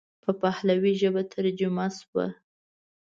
په پهلوي ژبه ترجمه شوه.